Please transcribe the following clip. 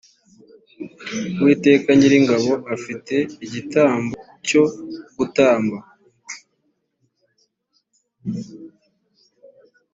uwiteka nyiringabo afite igitambo cyo gutamba